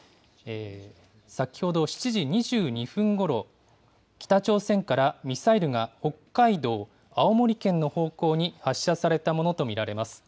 先ほど７時２２分ごろ、北朝鮮からミサイルが北海道、青森県の方向に発射されたものと見られます。